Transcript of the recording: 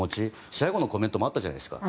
試合後のコメントにもあったじゃないですか。